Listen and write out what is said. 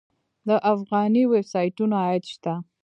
د افغاني ویب سایټونو عاید شته؟